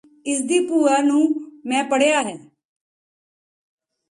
ਇਸ ਦੀ ਭੂਆ ਨੂੰ ਮੈਂ ਪੜ੍ਹਿਆਂ ਹੈ